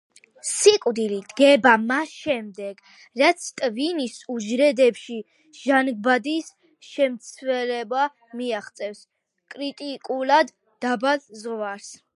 სიკვდილი დგება მას შემდეგ, რაც ტვინის უჯრედებში ჟანგბადის შემცველობა მიაღწევს კრიტიკულად დაბალ ზღვარს.